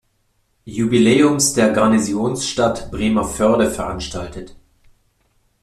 Jubiläums der Garnisonsstadt Bremervörde veranstaltet.